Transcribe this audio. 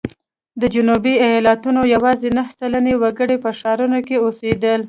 د جنوبي ایالتونو یوازې نهه سلنه وګړي په ښارونو کې اوسېدل.